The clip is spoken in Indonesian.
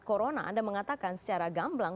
corona anda mengatakan secara gamblang